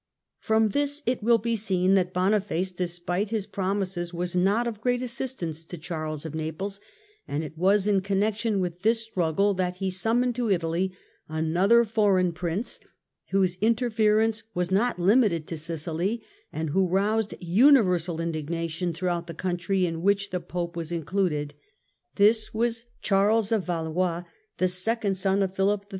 From this it will be seen that Boniface, despite his promises, was not of great assistance to Charles of Naples ; and it was in connection with this struggle that he summoned to Italy another foreign prince, whose interference was not hmited to Sicily, and who roused universal indignation throughout the country, in which the Pope was included. This was Charles of Valois, the second son of Philip III.